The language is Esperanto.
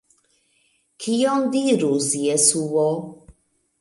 Kion dirus Jesuo?